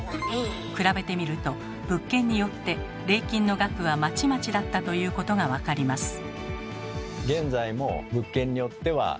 比べてみると物件によって礼金の額はまちまちだったということが分かります。